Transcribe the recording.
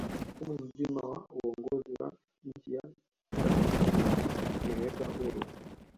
mfumo mzima wa uongozi wa nchiya tanzania unaiweka huru